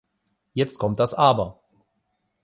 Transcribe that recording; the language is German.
Jetzt kommt das "Aber" .